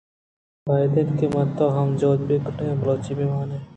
گُڑا باید اِنت من ءُ تو ھم جُھد بہ کن ایں ءُ بلوچی بہ وان ایں